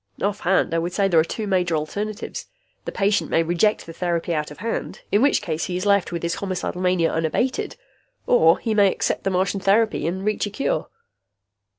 Offhand, I would say there are two major alternatives: the patient may reject the therapy out of hand, in which case he is left with his homicidal mania unabated. Or he may accept the Martian therapy and reach a cure."